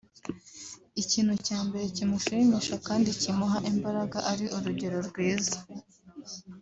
ikintu cya mbere kimushimisha kandi kimuha imbaraga ari urugero rwiza